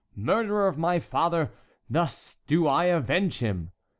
"Murderer of my father! thus do I avenge him!"